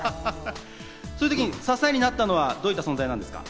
そういう時、支えになったのはどういう存在ですか？